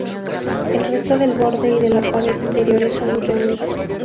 El resto del borde y de la pared interior es algo irregular.